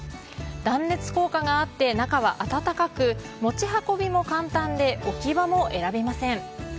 断熱効果があって、中は暖かく、持ち運びも簡単で置き場も選びません。